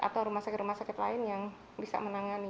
atau rumah sakit rumah sakit lain yang bisa menangani